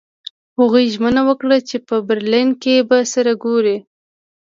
هغوی ژمنه وکړه چې په برلین کې به سره ګوري